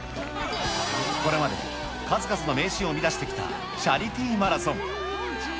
これまで数々の名シーンを生み出してきたチャリティーマラソン。